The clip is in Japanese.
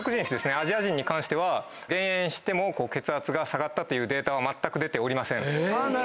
アジア人に関しては減塩しても血圧が下がったというデータはまったく出ておりません。